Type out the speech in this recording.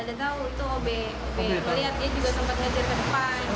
melihat dia juga sempat ngejar ke depan